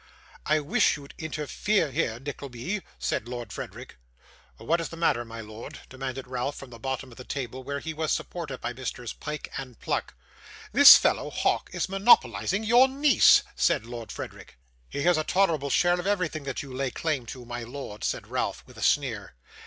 'I wish you'd interfere here, Nickleby,' said Lord Frederick. 'What is the matter, my lord?' demanded Ralph from the bottom of the table, where he was supported by Messrs Pyke and Pluck. 'This fellow, Hawk, is monopolising your niece,' said Lord Frederick. 'He has a tolerable share of everything that you lay claim to, my lord,' said Ralph with a sneer.